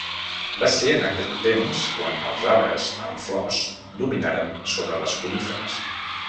Va ser en aquest temps quan els arbres amb flors dominaren sobre les coníferes.